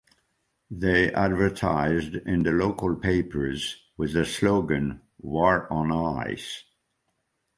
They advertised in the local papers with the slogan "War on Ice".